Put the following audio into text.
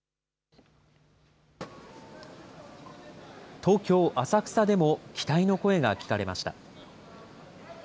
東京・浅草でも期待の声が聞かれました。